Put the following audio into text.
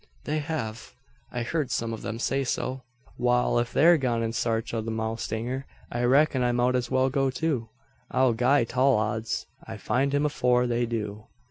"They have. I heard some of them say so." "Wal, if they're gone in sarch o' the mowstanger I reck'n I mout as well go too. I'll gie tall odds I find him afore they do."